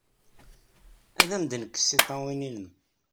Ad am-d-nekkes tiṭṭawin-nnem!